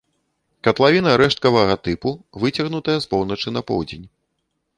Катлавіна рэшткавага тыпу, выцягнутая з поўначы на поўдзень.